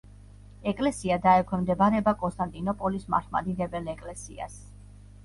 ეკლესია დაექვემდებარება კონსტანტინოპოლის მართლმადიდებელ ეკლესიას.